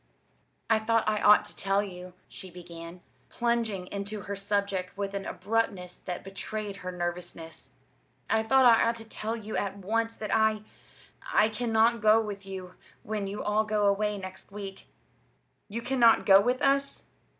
"I thought I ought to tell you," she began, plunging into her subject with an abruptness that betrayed her nervousness, "I thought I ought to tell you at once that I I cannot go with you when you all go away next week." "You cannot go with us!"